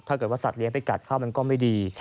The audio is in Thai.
ถ้าเกิดว่าสัตว์เลี้ยงไปกัดข้าวมันก็ไม่ดี